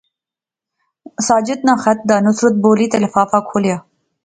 ساجد ناں خط دا، نصرت بولی تے لفافہ کھولیا